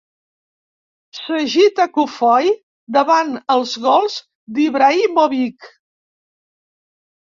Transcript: S'agita cofoi davant els gols d'Ibrahimovic.